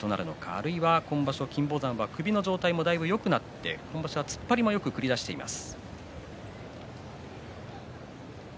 あるいは今場所、金峰山は首の状態もだいぶよくなって突っ張りもよく繰り出しています。